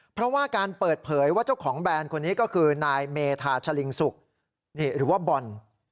เพราะว่าการเปิดเผยว่าเจ้าของแบรนด์คนนี้ก็คือนายเมธาชะลิงสุกหรือว่าบอล